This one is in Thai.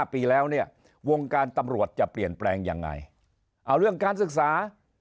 ปีแล้วเนี่ยวงการตำรวจจะเปลี่ยนแปลงยังไงเอาเรื่องการศึกษา